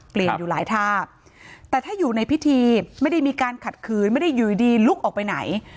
อยู่หลายท่าแต่ถ้าอยู่ในพิธีไม่ได้มีการขัดขืนไม่ได้อยู่ดีลุกออกไปไหน